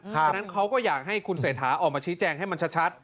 ฉะนั้นเขาก็อยากให้คุณเศรษฐาออกมาชี้แจงให้มันชัด